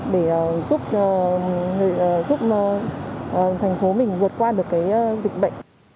để giúp thành phố mình vượt qua được cái dịch bệnh